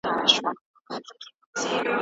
په داستاني تحقیق کې زمانه مه هېروئ.